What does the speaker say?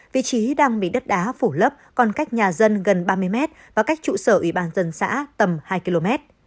vị trí đang bị đất đá phủ lấp còn cách nhà dân gần ba mươi mét và cách trụ sở ủy ban dân xã tầm hai km